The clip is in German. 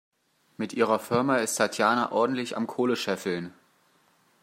Mit ihrer Firma ist Tatjana ordentlich am Kohle scheffeln.